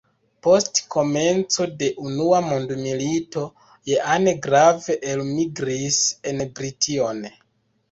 Post komenco de Unua mondmilito Jean Grave, elmigris en Brition.